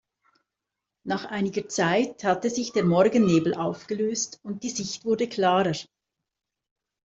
Nach einiger Zeit hatte sich der Morgennebel aufgelöst und die Sicht wurde klarer.